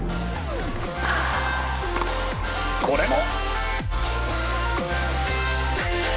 これも！